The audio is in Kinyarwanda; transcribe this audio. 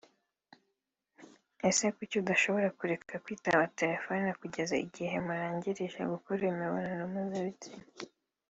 ese kuki udashobora kureka kwitaba telefone kugeza igihe murangirija gukora imibonano mpuzabitsina